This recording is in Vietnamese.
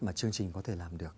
mà chương trình có thể làm được